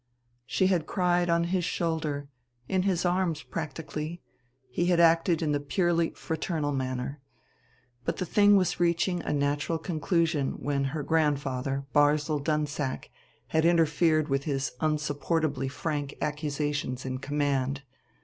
She had cried on his shoulder, in his arms, practically; he had acted in the purely fraternal manner. But the thing was reaching a natural conclusion when her grandfather, Barzil Dunsack, had interfered with his unsupportably frank accusations and command.